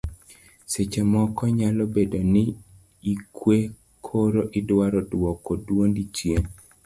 seche moko nyalo bedo ni ikwe koro idwaro duoko duondi chien